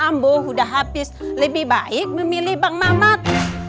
bambu sudah habis lebih baik memilih bang mamat